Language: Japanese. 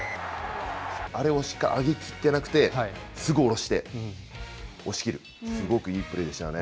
あれを上げきってなくて、すぐ下ろして、押し切る、すごくいいプレーでしたよね。